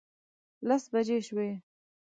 لس بجې شوې.